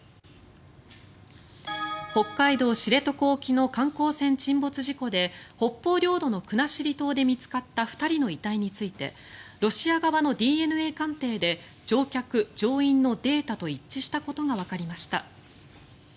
北海道・知床沖の観光船沈没事故で北方領土の国後島で見つかった２人の遺体についてロシア側のＤＮＡ鑑定で乗客・乗員のデータと一致したことがわかりました。